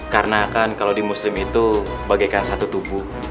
karena kan kalau di muslim itu bagaikan satu tubuh